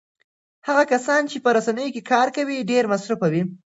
هغه کسان چې په رسنیو کې کار کوي ډېر مصروف وي.